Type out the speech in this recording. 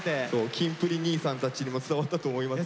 キンプリ兄さんたちにも伝わったと思いますよ。